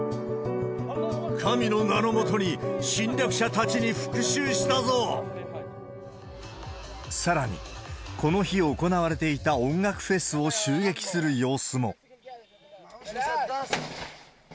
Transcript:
神の名の下に、さらに、この日行われていた音楽フェスを襲撃する様子も。